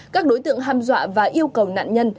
các đối tượng ham dọa và yêu cầu nạn nhân